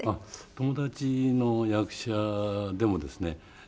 友達の役者でもですね